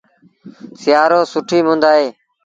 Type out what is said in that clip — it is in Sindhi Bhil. سيٚآرو سُٺيٚ مند اهي